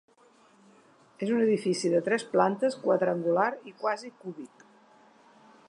És un edifici de tres plantes, quadrangular i quasi cúbic.